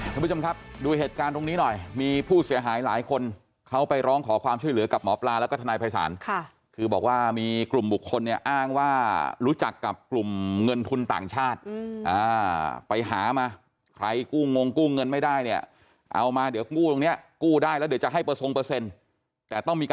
ท่านผู้ชมครับดูเหตุการณ์ตรงนี้หน่อยมีผู้เสียหายหลายคนเขาไปร้องขอความช่วยเหลือกับหมอปลาแล้วก็ทนายภัยศาลค่ะคือบอกว่ามีกลุ่มบุคคลเนี่ยอ้างว่ารู้จักกับกลุ่มเงินทุนต่างชาติไปหามาใครกู้งงกู้เงินไม่ได้เนี่ยเอามาเดี๋ยวกู้ตรงเนี้ยกู้ได้แล้วเดี๋ยวจะให้เปอร์ทรงเปอร์เซ็นต์แต่ต้องมีก